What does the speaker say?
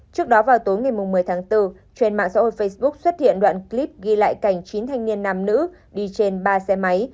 trước đó vào tối ngày một mươi tháng bốn trên mạng xã hội facebook xuất hiện đoạn clip ghi lại cảnh chín thanh niên nam nữ đi trên ba xe máy